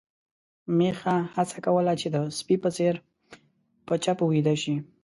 میښه هڅه کوله چې د سپي په څېر په چپو ويده شي.